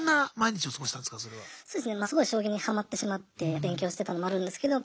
すごい将棋にはまってしまって勉強してたのもあるんですけど